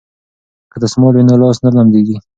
که دستمال وي نو لاس نه لمدیږي.